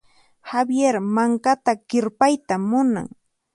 Javier mankata kirpayta munan.